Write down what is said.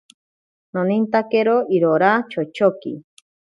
Noninkero irora chochoki.